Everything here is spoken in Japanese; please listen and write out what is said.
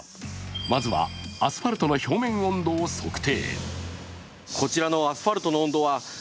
まずはアスファルトの表面温度を測定。